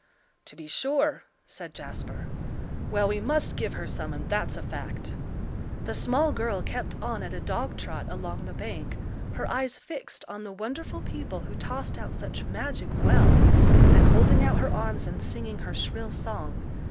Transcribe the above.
"To be sure," said Jasper. "Well, we must give her some, and that's a fact." The small girl kept on at a dog trot along the bank, her eyes fixed on the wonderful people who tossed out such magic wealth, and holding out her arms and singing her shrill song.